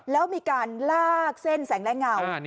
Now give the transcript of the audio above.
แล้วมีการลากเส้นแสงและเงา